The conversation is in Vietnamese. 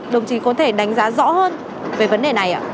đồng chí có thể đánh giá rõ hơn về vấn đề này ạ